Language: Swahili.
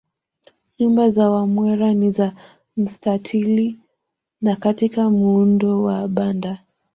Nyumba za Wamwera ni za mstatili na katika muundo wa banda